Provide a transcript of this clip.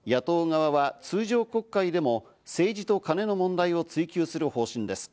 野党側は通常国会でも政治とカネの問題を追及する方針です。